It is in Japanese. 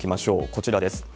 こちらです。